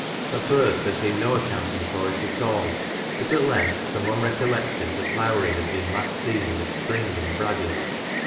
At first tliere aeemed no accounting for it at all, but at length some one recollected that Lowrie had been last seen with Spring and Briiddy.